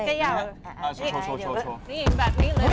ใช่ค่ะ